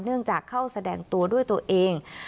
เนื่องจากเข้าแสดงตัวด้วยตัวเอง